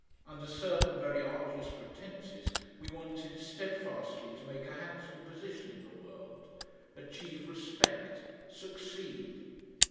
Under certain very artless pretences, we wanted steadfastly to make a handsome position in the world, achieve respect, SUCCEED.